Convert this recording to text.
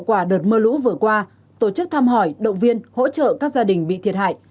quả đợt mưa lũ vừa qua tổ chức thăm hỏi động viên hỗ trợ các gia đình bị thiệt hại